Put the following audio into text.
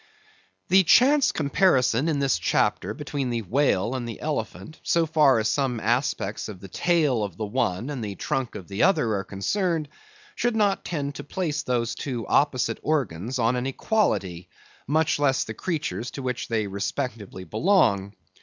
The chance comparison in this chapter, between the whale and the elephant, so far as some aspects of the tail of the one and the trunk of the other are concerned, should not tend to place those two opposite organs on an equality, much less the creatures to which they respectively belong.